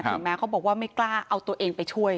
แม้เขาบอกว่าไม่กล้าเอาตัวเองไปช่วย